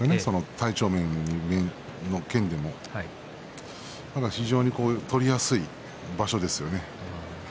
体調面でも非常に相撲を取りやすい場所ですよね。